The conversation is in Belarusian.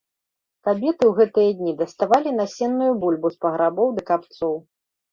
Кабеты ў гэтыя дні даставалі насенную бульбу з паграбоў ды капцоў.